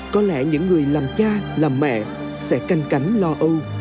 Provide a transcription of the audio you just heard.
có lẽ những người làm cha làm mẹ sẽ canh cánh lo âu